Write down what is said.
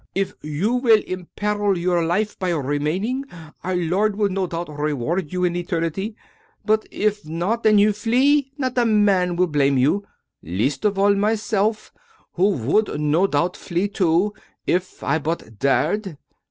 " If you will imperil your life by remaining, our Lord will no doubt reward you in eternity; but, if not, and you flee, not a man will blame you — least of all myself, who would, no doubt, flee too, if I but dared."